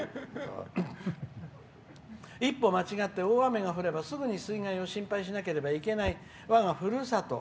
「一歩間違って大雨が降ればすぐに水害を心配しなければいけないわがふるさと。